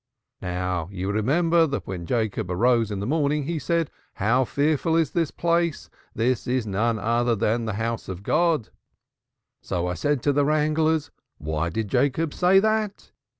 'Now you remember that when Jacob arose in the morning he said: 'How fearful is this place; this is none other than the House of God.' So I said to the wranglers: 'Why did Jacob say that?